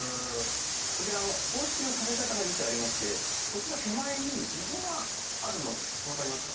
こちらあの公式の食べ方が実はありましてこちら手前に溝があるの分かりますか？